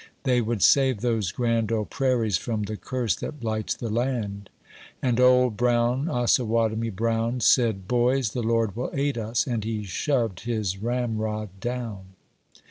—• They would save those grand old prairies from the curse that blights the land ; And Old Brown, Osawatomie Brown, Said — "Boys, the Lord will aid us!" and he shoved his ramrod down.